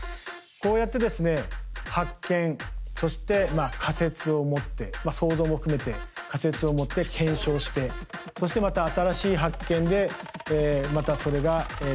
こうやってですね発見そして仮説を持って想像も含めて仮説を持って検証してそしてまた新しい発見でまたそれが謎が深まっていく。